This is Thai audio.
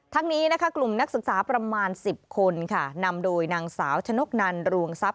นี้นะคะกลุ่มนักศึกษาประมาณ๑๐คนค่ะนำโดยนางสาวชนกนันรวงทรัพย